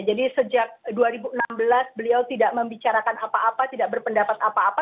jadi sejak dua ribu enam belas beliau tidak membicarakan apa apa tidak berpendapat apa apa